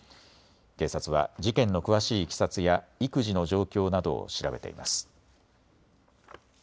警察は事件の詳しいいきさつや育児の状況などを調べています。